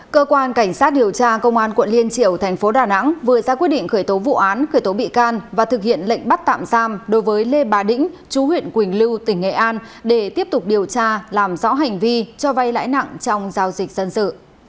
cơ quan cảnh sát điều tra bộ công an đã khởi tố vụ án khởi tố bị can và thực hiện lệnh bắt tạm giam đối với lê bà đĩnh chú huyện quỳnh lưu tỉnh nghệ an để tiếp tục điều tra làm rõ hành vi cho vai lãi nặng trong giao dịch dân sự